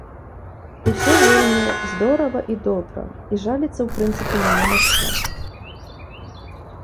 Усё вельмі здорава і добра, і жаліцца ў прынцыпе няма на што.